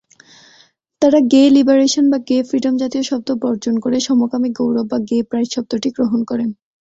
তারা "gay liberation" বা "gay freedom" জাতীয় শব্দ বর্জন করে "সমকামী গৌরব" বা "গে প্রাইড" শব্দটি গ্রহণ করেন।